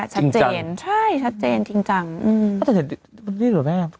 ชัดเจนใช่ชัดเจนจริงจังอืมถ้าเจนุ่นดีหรือเป็นไหม